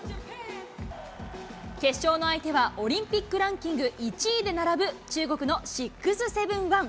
決勝の相手はオリンピックランキング１位で並ぶ中国の６７１。